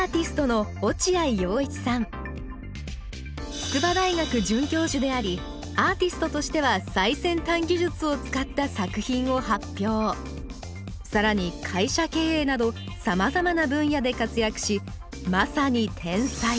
筑波大学准教授でありアーティストとしては更に会社経営などさまざまな分野で活躍しまさに天才。